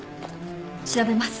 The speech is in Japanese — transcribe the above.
調べます。